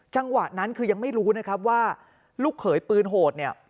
จังหวะนั้นคือยังไม่รู้นะครับว่าลูกเขยปืนโหดเนี่ย